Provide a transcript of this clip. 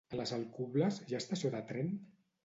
A les Alcubles hi ha estació de tren?